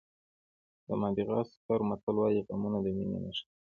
د ماداغاسکر متل وایي غمونه د مینې نښه ده.